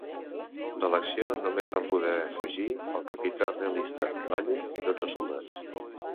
De l'acció només van poder fugir el capità realista Valle i dotze soldats.